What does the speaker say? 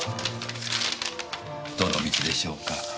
どの道でしょうか？